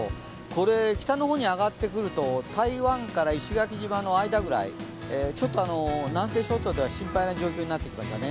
これ北の方に上がってくると台湾から石垣島の間くらい、ちょっと南西諸島では心配な状況になってきましたね。